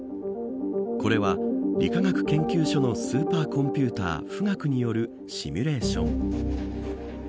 これは理化学研究所のスーパーコンピューター富岳によるシミュレーション。